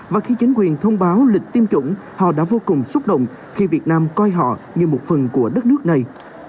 và khi chính quyền thông báo lịch tiêm chủng họ đã vô cùng xúc động khi việt nam coi họ như một phần của đất nước này